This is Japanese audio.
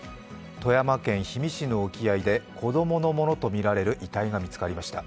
富山県氷見市の沖合で子供のものとみられる遺体が見つかりました。